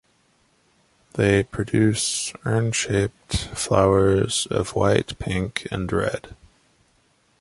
They produce urn-shaped flowers in shades of white, pink and red.